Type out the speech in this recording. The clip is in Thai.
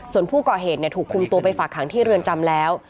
ส่วนผู้ก่อเหตุถูกคุมตัวไปฝากหางที่เรือนจำแล้ว